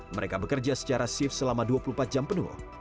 mereka bekerja secara shift selama dua puluh empat jam penuh